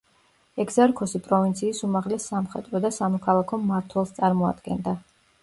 ეგზარქოსი პროვინციის უმაღლეს სამხედრო და სამოქალაქო მმართველს წარმოადგენდა.